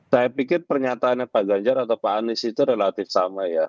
saya pikir pernyataannya pak ganjar atau pak anies itu relatif sama ya